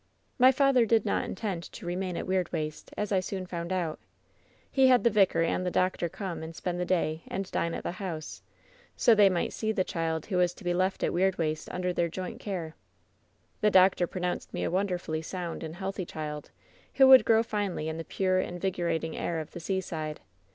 "My father did not intend to remain at Weirdwaste, as I soon found out He had the vicar and doctor come and spend the day and dine at the house, so that tbej 140 WHEN SHADOWS DIE might see the child who was to be left at Weirdwaste under their joint care. "The doctor pronounced me a wonderfully sound and healthy child, who would grow finely in the pure, invig orating air of the seaside.